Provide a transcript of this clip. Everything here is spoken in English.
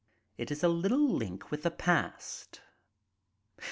It is a little link with the past."